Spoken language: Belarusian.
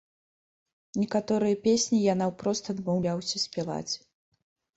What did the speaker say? Некаторыя песні я наўпрост адмаўляўся спяваць.